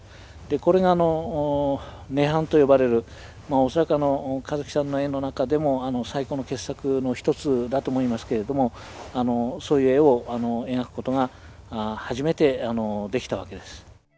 これが「涅槃」と呼ばれる恐らく香月さんの絵の中でも最高の傑作の一つだと思いますけれどもそういう絵を描くことが初めてできたわけです。